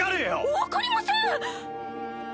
分かりません！